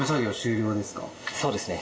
そうですね。